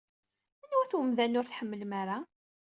Anwa-t umdan-a ur tḥemmlem ara?